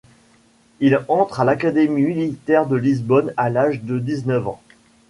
Il entre à l'Académie Militaire de Lisbonne à l'âge de dix-neuf ans.